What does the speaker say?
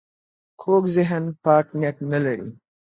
کوږ ذهن پاک نیت نه لري